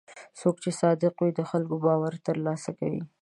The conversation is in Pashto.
څوک چې صادق وي، د خلکو باور ترلاسه کوي.